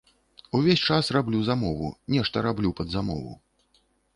Увесь час раблю замову, нешта раблю пад замову.